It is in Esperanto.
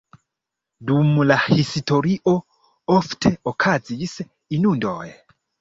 Dum la historio ofte okazis inundoj.